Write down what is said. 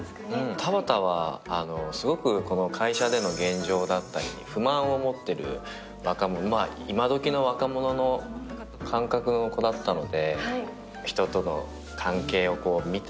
田端は、すごくこの会社での現状だったり不満を持っている若者、いまどきの若者の感覚の子だったので。